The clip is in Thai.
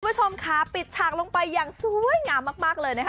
คุณผู้ชมค่ะปิดฉากลงไปอย่างสวยงามมากเลยนะคะ